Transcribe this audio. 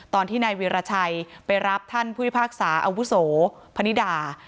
ตอนที่นายวีรชัยไปรับท่านผู้พิพากษาอาวุโสพนิดา